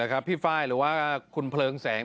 ป้าเขาไม่ได้บ้าเขาโภคกระถิ่นเขานี่แหละ